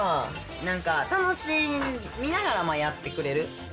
なんか楽しみながらもやってくれる。